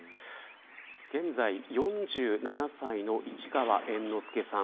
現在、４７歳の市川猿之助さん。